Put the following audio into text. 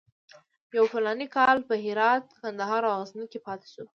هغه یو فلاني کال په هرات، کندهار او غزني کې پاتې شو.